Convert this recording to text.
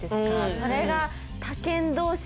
それが。